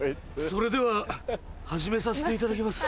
それでは始めさせていただきます。